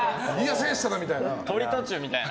とり途中みたいな。